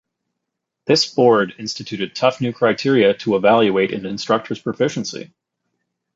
This board instituted tough new criteria to evaluate an instructor's proficiency.